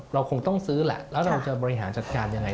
เราคงต้องซื้อแหละแล้วเราจะบริหารจัดการยังไง